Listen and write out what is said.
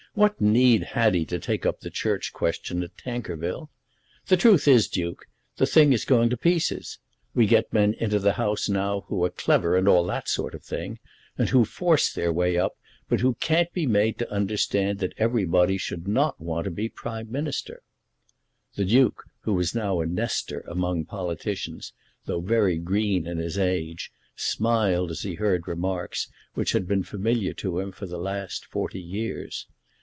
What need had he to take up the Church question at Tankerville? The truth is, Duke, the thing is going to pieces. We get men into the House now who are clever, and all that sort of thing, and who force their way up, but who can't be made to understand that everybody should not want to be Prime Minister." The Duke, who was now a Nestor among politicians, though very green in his age, smiled as he heard remarks which had been familiar to him for the last forty years.